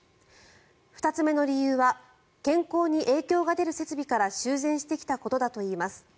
２つ目の理由は健康に影響が出る設備から修繕してきたことだといいます。